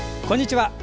こんにちは。